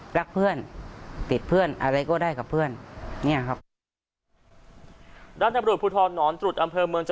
รักเพื่อนติดเพื่อน